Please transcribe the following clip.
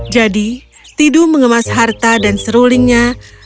jadi tidu mengemas harta dan serulingnya